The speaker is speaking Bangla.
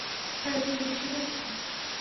ভাবি, আপনার বিশ্বাস হচ্ছে?